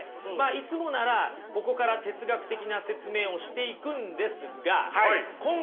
いつもならここから哲学的な説明をしていくんですが今回はね